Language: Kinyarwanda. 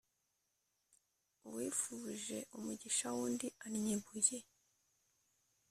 Uwifuje umugisha w’undi annya ibuye.